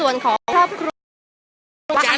มีแต่โดนล้าลาน